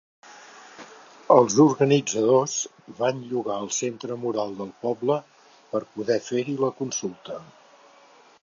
Els organitzadors van llogar el Centre Moral del poble per poder fer-hi la consulta.